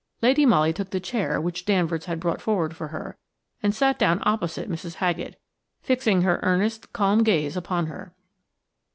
Lady Molly took the chair which Danvers had brought forward for her, and sat down opposite Mrs. Haggett, fixing her earnest, calm gaze upon her.